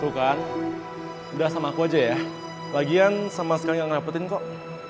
tuh kan udah sama aku aja ya lagian sama sekali ga ngerepotin kok